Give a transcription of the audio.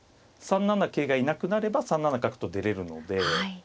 ３七桂がいなくなれば３七角と出れるので。